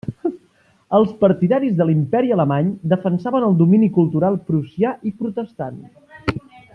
Els partidaris de l'Imperi Alemany defensaven el domini cultural prussià i protestant.